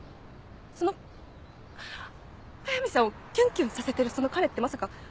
その速見さんをきゅんきゅんさせてるその彼ってまさか？